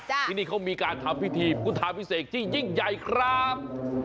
ที่นี่เขามีการทำพิธีพุทธาพิเศษที่ยิ่งใหญ่ครับ